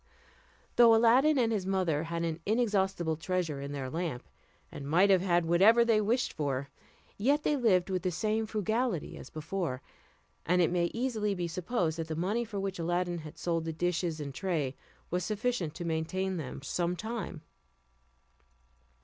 Though Aladdin and his mother had an inexhaustible treasure in their lamp, and might have had whatever they wished for, yet they lived with the same frugality as before, and it may easily be supposed that the money for which Aladdin had sold the dishes and tray was sufficient to maintain them some time.